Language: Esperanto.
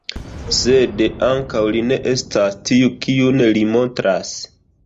Sed ankaŭ li ne estas tiu, kiun li montras.